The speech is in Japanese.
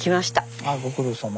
あご苦労さま。